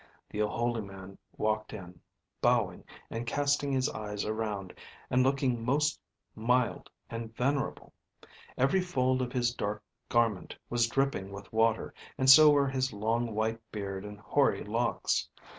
The holy man walked in, bowing and casting his eyes around, and looking most mild and venerable. Every fold of his dark garment was dripping with water, and so were his long white beard and hoary locks.